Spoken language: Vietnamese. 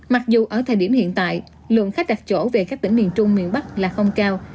mặc dù ở thời điểm hiện tại lượng khách đặt chỗ về các tỉnh miền trung miền bắc là không cao